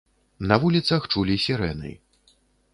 На вуліцах чулі сірэны.